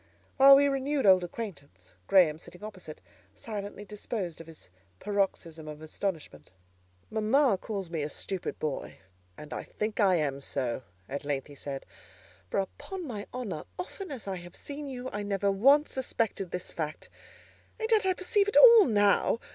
While we renewed old acquaintance, Graham, sitting opposite, silently disposed of his paroxysm of astonishment. "Mamma calls me a stupid boy, and I think I am so," at length he said; "for, upon my honour, often as I have seen you, I never once suspected this fact: and yet I perceive it all now.